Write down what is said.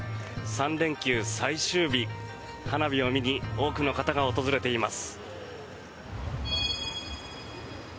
３連休最終日、花火を見に多くの方が訪れています。